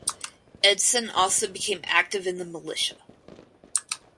Edson also became active in the militia.